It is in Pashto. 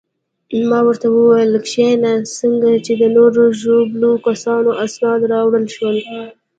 ما ورته وویل: کښېنه، څنګه چې د نورو ژوبلو کسانو اسناد راوړل شول.